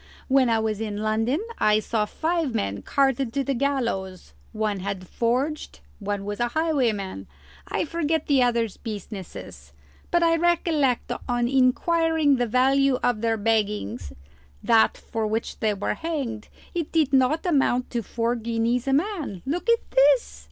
When I was in London I saw five men carted to the gallows; one had forged, one was a highwayman I forget the others' businesses; but I recollect on inquiring the value of their baggings that for which they were hanged it did not amount to four guineas a man. Look at this!"